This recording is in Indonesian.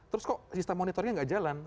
terus kok sistem monitoringnya gak jalan